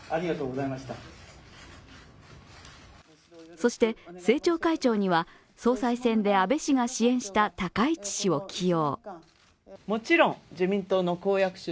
そして、政調会長には総裁選で安倍氏が支援した高市氏を起用。